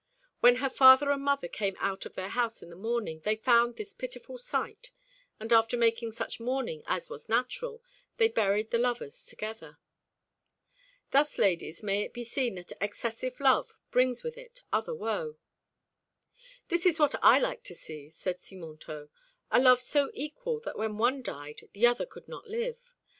When her father and mother came out of their house in the morning, they found this pitiful sight, and, after making such mourning as was natural, they buried the lovers together. "Thus, ladies, may it be seen that excessive love brings with it other woe." "This is what I like to see," said Simontault, "a love so equal that when one died the other could not live.